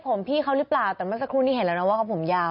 ผมพี่เขาหรือเปล่าแต่เมื่อสักครู่นี้เห็นแล้วนะว่าเขาผมยาว